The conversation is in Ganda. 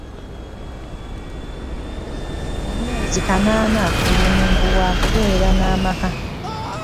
Mu myezi kanaana, buli muntu wa kubeera n'amaka.